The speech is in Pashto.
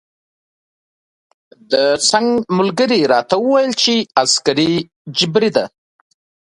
د څنګ ملګري راته وویل چې عسکري جبری ده.